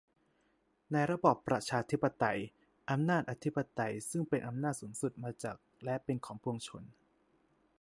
ในระบอบประชา-ธิปไตย อำนาจอธิปไตยซึ่งเป็นอำนาจสูงสุดมาจากและเป็นของปวงชน